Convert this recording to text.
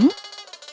ông phìn nói